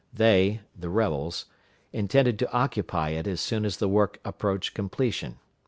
They (the rebels) intended to occupy it as soon as the work approached completion.